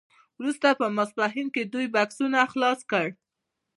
وروسته په ماسپښین کې دوی بکسونه خلاص کړل